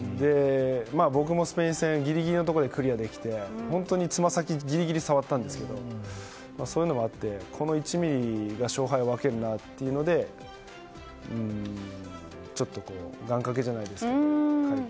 僕もスペイン戦ギリギリのところでクリアできて本当に、つま先ギリギリで触ったんですけどそういうのもあってこの１ｍｍが勝敗を分けるなってので願掛けじゃないですけど変えて。